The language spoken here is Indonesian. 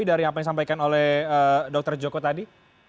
dari apa yang disampaikan oleh dr joko tadi